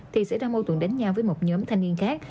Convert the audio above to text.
thì sẽ ra mâu tuần đánh nhau với một nhóm thanh niên khác